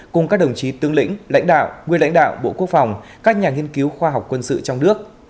cùng các đồng chí tướng lĩnh lãnh đạo nguyên lãnh đạo bộ quốc phòng các nhà nghiên cứu khoa học quân sự trong nước